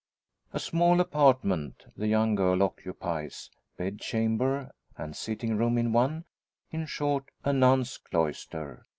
A small apartment the young girl occupies bedchamber and sitting room in one in short, a nun's cloister.